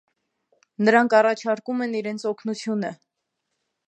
Նրանք առաջարկում են իրենց օգնությունը։